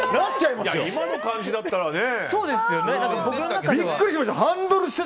いや、今の感じだったらね。